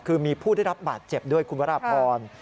คือมีผู้ได้รับบาดเจ็บด้วยคุณวราพร